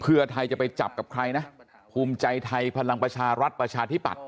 เพื่อไทยจะไปจับกับใครนะภูมิใจไทยพลังประชารัฐประชาธิปัตย